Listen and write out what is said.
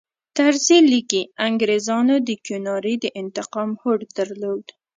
طرزي لیکي انګریزانو د کیوناري د انتقام هوډ درلود.